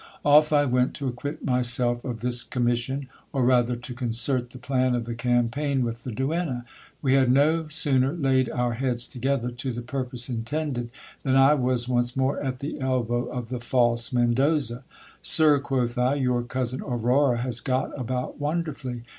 Off I went to acquit my self of this commission, or rather to concert the plan of the campaign with the duenna. We had no sooner laid our heads together to the purpose intended, than I was once more at the elbow of the false Mendoza. Sir, quoth I, your cousin Aurora has got about wonderfully.